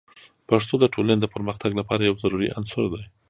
پښتو د ټولنې د پرمختګ لپاره یو ضروري عنصر دی.